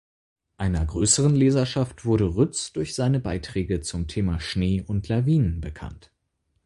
Einer größeren Leserschaft wurde Ruetz durch seine Beiträge zum Thema Schnee und Lawinen bekannt.